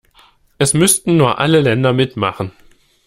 Es müssten nur alle Länder mitmachen.